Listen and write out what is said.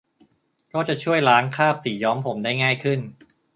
ก็จะช่วยล้างคราบสีย้อมผมได้ง่ายขึ้น